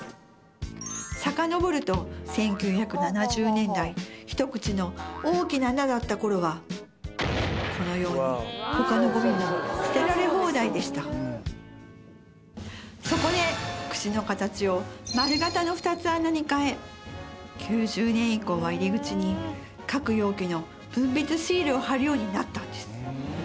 さかのぼると１９７０年代一口の大きな穴があった頃はこのように他のゴミも捨てられ放題でした口の形を丸形の２つ穴に変え９０年以降は入り口に各容器の分別シールを貼るようになったんです